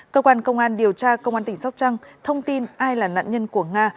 cơ quan công an điều tra công an tỉnh sóc trăng thông tin ai là nạn nhân của nga